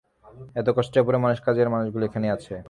এত কষ্টের পরও কাজের মানুষগুলি এখানেই আছে।